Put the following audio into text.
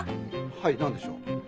はい何でしょう？